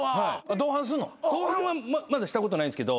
同伴はまだしたことないんですけど。